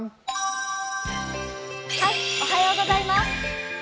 おはようございます。